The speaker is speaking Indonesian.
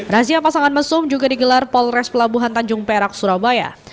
razia pasangan mesum juga digelar polres pelabuhan tanjung perak surabaya